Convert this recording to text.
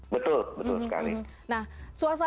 betul betul sekali